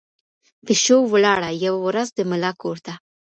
پشو ولاړه یوه ورځ د ملا کورته